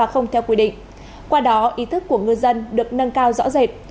không theo quy định qua đó ý thức của ngư dân được nâng cao rõ rệt